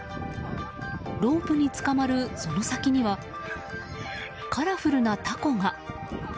ロープにつかまるその先にはカラフルなたこが。